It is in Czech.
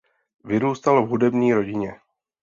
Vyrůstal v hudební rodině.